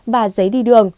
và giấy đi đường